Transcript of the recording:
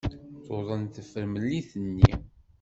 Tuḍen tefremlit-nni.